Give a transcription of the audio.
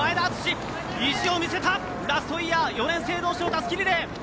意地を見せたラストイヤー４年生同士のたすきリレー。